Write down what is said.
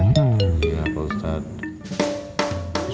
iya pak ustadz